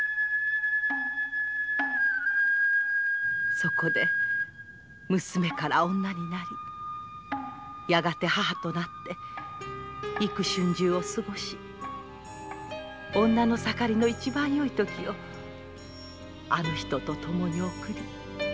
そこで娘から女になりやがて母となって幾春秋を過ごし女の盛りの一番よい時をあの人とともに送り。